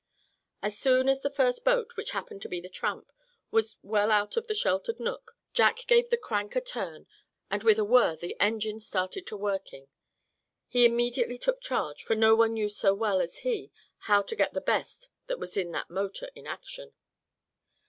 As soon as the first boat, which happened to be the Tramp, was well out of the sheltered nook, Jack gave the crank a turn, and with a whirr the engine started to working. He immediately took charge, for no one knew so well as he how to get the best that was in that motor in action.